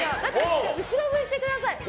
後ろ向いてください。